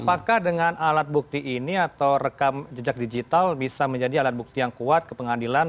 apakah dengan alat bukti ini atau rekam jejak digital bisa menjadi alat bukti yang kuat ke pengadilan